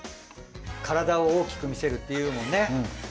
体を大きく見せるっていうもんね。